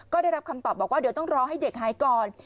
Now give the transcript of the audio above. ก็ได้รับคำตอบบอกว่าเดี๋ยวต้องรอให้เด็กหายก่อน